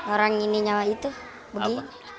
orang ini nyala itu begini